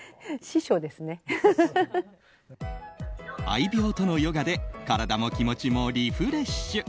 愛猫とのヨガで体も気持ちもリフレッシュ。